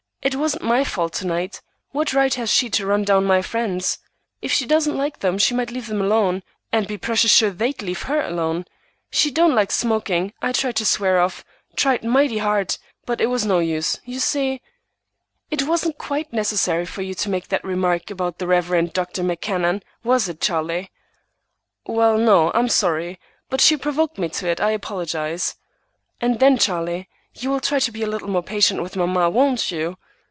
It wasn't my fault to night. What right has she to run down my friends? If she don't like them, she might leave them alone, and be precious sure they'd leave her alone. She don't like smoking; I tried to swear off, tried mighty hard, but it was no use. You see—" "It wasn't quite necessary for you to make that remark about the Rev. Dr. McCanon, was it, Charlie?" "Well, no; I'm sorry, but she provoked me to it. I'll apologize." "And then, Charlie, you will try to be a little more patient with mamma, won't you?"